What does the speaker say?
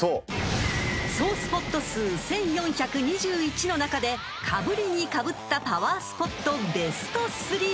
［総スポット数１，４２１の中でかぶりにかぶったパワースポット］